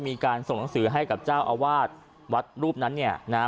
มีการส่งหนังสือให้กับเจ้าอาวาสวัดรูปนั้นเนี่ยนะฮะ